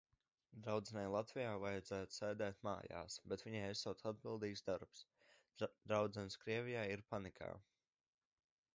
Draudzenei Latvijā vajadzētu sēdēt mājās, bet viņai esot atbildīgs darbs. Draudzenes Krievijā ir panikā.